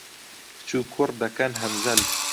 کچ و کوڕ دەکەن هەمزەل